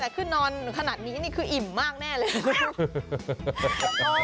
แต่คือนอนขนาดนี้คืออิ่มมากแน่เลย